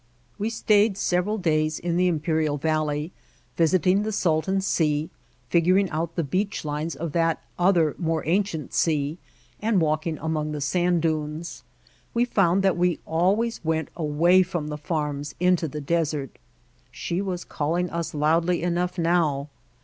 We stayed several days in the Imperial Val ley, visiting the Salton Sea, figuring out the beach lines of that other more ancient sea, and walking among the sand dunes. We found that we always went away from the farms into the desert. She was calling us loudly enough now.